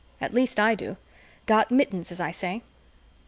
At least I do. Got Mittens, as I say."